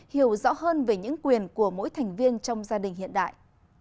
hiểu rõ hơn về những quyền của mỗi thành viên trong gia đình hiện đại